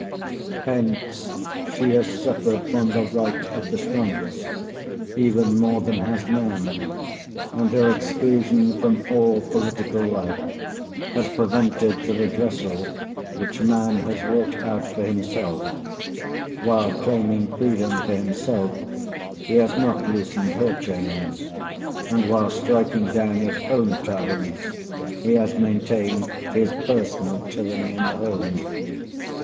Hence she has suffered from "the right of the strongest," even more than has man, and her exclusion from all political life has prevented the redressal which man has wrought out for himself; while claiming freedom for himself he has not loosened her chains, and while striking down his own tyrants, he has maintained his personal tyranny in the home.